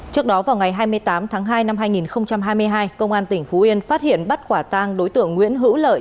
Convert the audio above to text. trước đó vào ngày hai mươi tám tháng hai năm hai nghìn hai mươi hai công an tỉnh phú yên phát hiện bắt quả tang đối tượng nguyễn hữu lợi